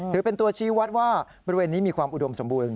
ถือเป็นตัวชี้วัดว่าบริเวณนี้มีความอุดมสมบูรณ